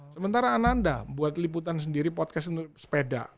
sementara ananda buat liputan sendiri podcast untuk sepeda